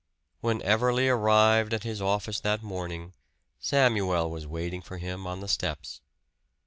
When Everley arrived at his office that morning, Samuel was waiting for him on the steps.